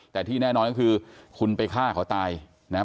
แต่ที่แน่นอนก็คือคุณไปฆ่าเขาตายนะฮะ